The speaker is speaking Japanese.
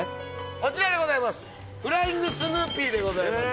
こちらでございます。